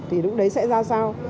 thì lúc đấy sẽ ra sao